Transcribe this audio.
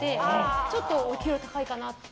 ちょっとお給料高いかなって。